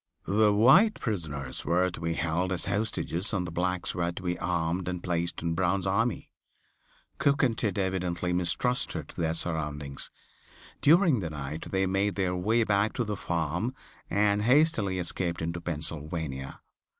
The white prisoners were to be held as hostages and the blacks were to be armed and placed in Brown's army. Cook and Tidd evidently mistrusted their surroundings. During the night they made their way back to the farm and hastily escaped into Pennsylvania.